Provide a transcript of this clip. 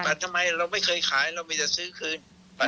ทำไมเราไม่เคยขายเรามีแต่ซื้อคืน